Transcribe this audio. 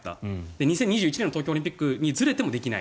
２０２１年の東京オリンピックを目指してもできない。